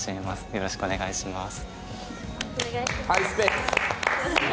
よろしくお願いします。